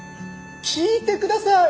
聞いてください！